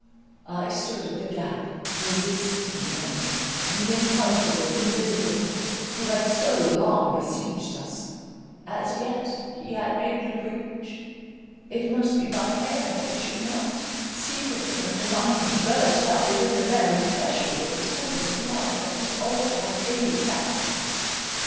I stood in the gap, resisting the enemy—the impalpable, invisible foe, who had so long besieged us—as yet he had made no breach: it must be my care that he should not, secretly undermining, burst up within the very threshold of the temple of love, at whose altar I daily sacrificed.